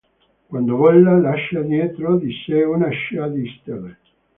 Quando vola, lascia dietro di sé una scia di stelle.